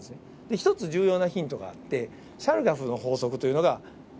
１つ重要なヒントがあってシャルガフの法則というのが分かってました。